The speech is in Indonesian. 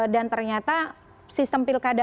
dan ternyata sistem pilkada